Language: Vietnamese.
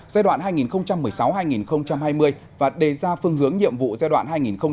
giai đoạn hai nghìn một mươi sáu hai nghìn hai mươi và đề ra phương hướng nhiệm vụ giai đoạn hai nghìn hai mươi hai nghìn hai mươi năm